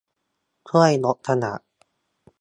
ช่วยลดขยะ